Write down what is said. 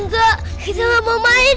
gak kita gak mau main